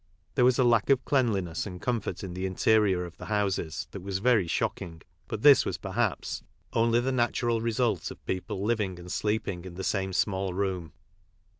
There was a lack of clean liness and comfort in the interior of the houses that was very shocking, but this was perhaps only the natural result of people living and sleeping in the same small room.